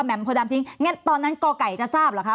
แหม่มโพดามทิ้งงั้นตอนนั้นกไก่จะทราบหรือคะ